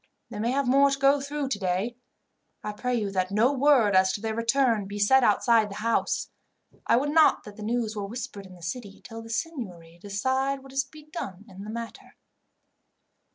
They may have more to go through today. I pray you that no word, as to their return, be said outside the house. I would not that the news were whispered in the city, till the seignory decide what is to be done in the matter."